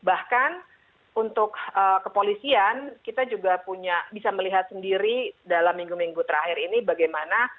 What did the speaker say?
bahkan untuk kepolisian kita juga punya bisa melihat sendiri dalam minggu minggu terakhir ini bagaimana